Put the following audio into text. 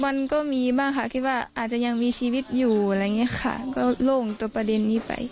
มันก็มีบ้างค่ะคิดว่าอาจจะยังมีชีวิตอยู่อะไรอย่างนี้ค่ะก็โล่งตัวประเด็นนี้ไป